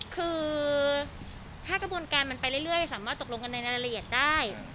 คือถ้ากระบวนการมันไปเรื่อยสามารถตกลงกันในรายละเอียดได้